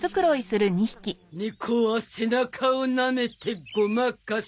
猫は背中をなめてごまかす。